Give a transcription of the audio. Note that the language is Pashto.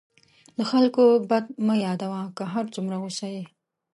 د خلکو بد مه یادوه، که هر څومره غصه یې.